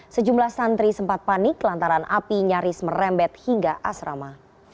sejumlah santri sempat panik lantaran api nyaris merembet hingga asrama